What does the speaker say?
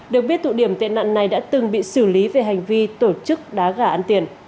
được biết tụ điểm tệ nạn này đã từng bị xử lý về hành vi tổ chức đá gà ăn tiền